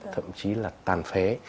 thậm chí là tàn phế